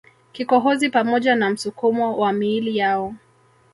kikohozi pamoja na msukumo wa miili yao